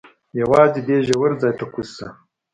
یوازې دې ژور ځای ته کوز شه.